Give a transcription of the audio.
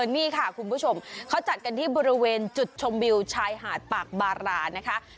นี่ค่ะคุณผู้ชมเขาจัดกันที่บริเวณจุดชมวิวชายหาดปากบารานะคะ